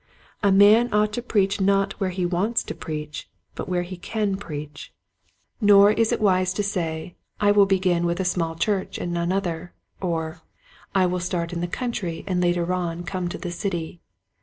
A man ought to preach not where he wants to preach but where he can preach. Which Door? 27 Nor is it wise to say, " I will begin with a small church and none other," or "I will start in the country and later on come to the city."